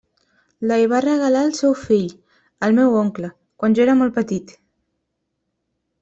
La hi va regalar el seu fill, el meu oncle, quan jo era molt petit.